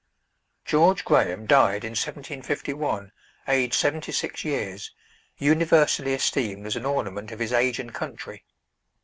George Graham died in 1751, aged seventy six years, universally esteemed as an ornament of his age and country.